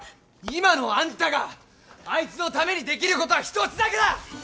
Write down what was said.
今のあんたがあいつのためにできることは一つだけだ！